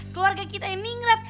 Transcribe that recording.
keluarga kita yang ningrat